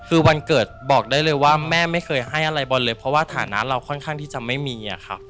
คือวันเกิดบอกได้เลยว่าแม่ไม่เคยให้อะไรบอลเลยเพราะว่าฐานะเราค่อนข้างที่จะไม่มีอะค่ะ